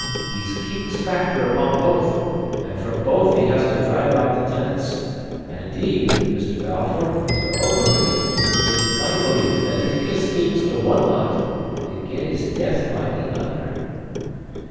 He's King's Factor upon both, and from both he has to drive out the tenants; and indeed, Mr. Balfour (to be open with ye), it's my belief that if he escapes the one lot, he'll get his death by the other."